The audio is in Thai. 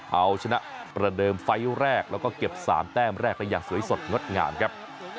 เอาชนะประเดิมไฟล์แรกแล้วก็เก็บ๓แต้มแรกได้อย่างสวยสดงดงามครับ